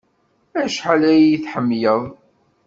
Acḥal ay iyi-tḥemmleḍ?